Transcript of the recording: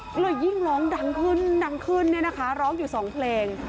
ก็เลยยิ่งร้องดังขึ้นดังขึ้นเนี่ยนะคะร้องอยู่สองเพลง